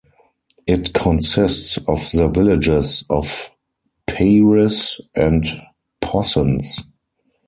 It consists of the villages of Peyres and Possens.